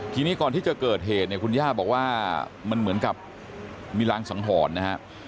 ทีนี้ก่อนที่จะเกิดเหตุเนี่ยคุณย่าบอกว่ามันเหมือนกับมีรางสังหรณ์นะฮะ